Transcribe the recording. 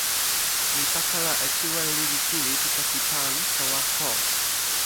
mi pakala e kiwen lili kili pi kasi pan tawa ko.